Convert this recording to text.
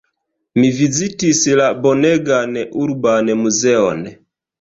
Mi vizitis la bonegan urban muzeon.